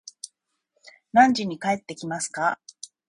何時に帰ってきますか